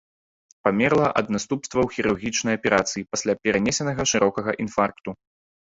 Памерла ад наступстваў хірургічнай аперацыі пасля перанесенага шырокага інфаркту.